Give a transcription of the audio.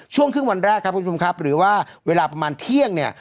ช่วงครึ่งวันแรกครับคุณผู้ชมครับหรือว่าเวลาประมาณเที่ยงเนี่ย